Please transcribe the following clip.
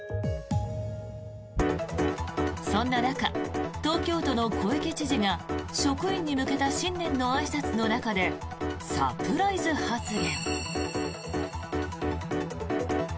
そんな中、東京都の小池知事が職員に向けた新年のあいさつの中でサプライズ発言。